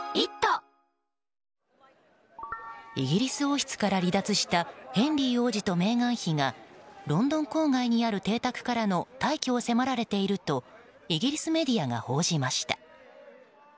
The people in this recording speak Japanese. イギリス王室から離脱したヘンリー王子とメーガン妃がロンドン郊外にある邸宅からの退去を迫られているとイギリスメディアが報じました。